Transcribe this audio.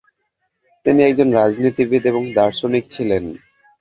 তিনি একজন রাজনীতিবিদ এবং দার্শনিক ছিলেন।